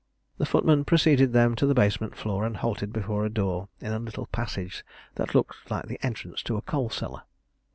The footman preceded them to the basement floor and halted before a door in a little passage that looked like the entrance to a coal cellar.